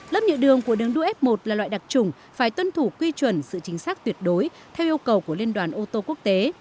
lớp nhựa đường của đường đua f một là loại đặc trùng phải tuân thủ quy chuẩn sự chính xác tuyệt đối theo yêu cầu của liên đoàn ô tô quốc tế